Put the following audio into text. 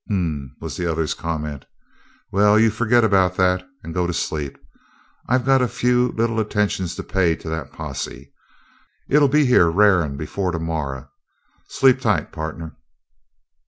"H'm," was the other's comment. "Well, you forget about that and go to sleep. I got a few little attentions to pay to that posse. It'll be here r'arin' before tomorrer. Sleep tight, partner."